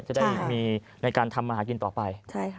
จะได้มีในการทำมาหากินต่อไป